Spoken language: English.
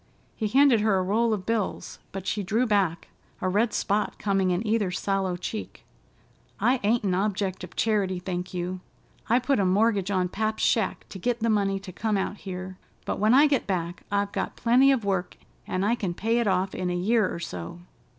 He handed her a roll of bills, but she drew back, a red spot coming in either sallow cheek. "I ain't an object of charity, thank you. I put a mortgage on pap's shack to git the money to come out here, but when I get back I've got plenty of work, an' I can pay it off in a year or so."